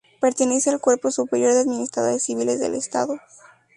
Pertenece al Cuerpo Superior de Administradores Civiles del Estado.